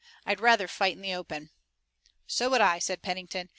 "I'd rather fight in the open." "So would I," said Pennington.